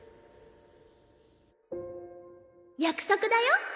約束だよ。